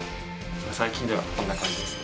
最近ではこんな感じですね。